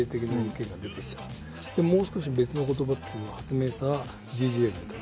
もう少し別の言葉っていうのを発明したＤＪがいた。